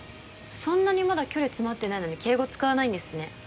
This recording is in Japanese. そんなにまだ距離詰まってないのに敬語使わないんですね。